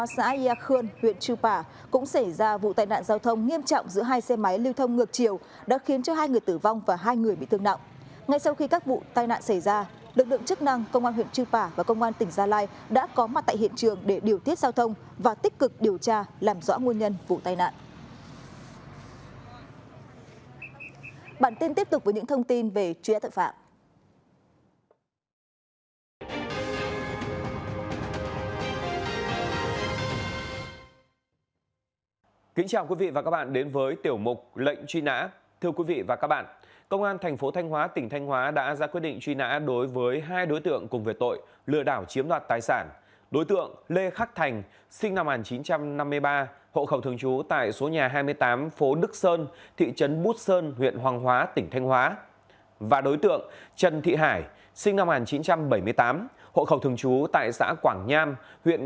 sau khi các vụ tai nạn xảy ra lực lượng chức năng công an huyện chư phả và công an tỉnh gia lai đã có mặt tại hiện trường để điều thiết giao thông và tích cực điều tra làm rõ nguồn nhân vụ tai nạn